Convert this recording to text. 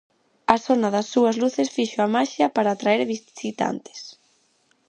As sona das súas luces fixo a maxia para atraer visitantes.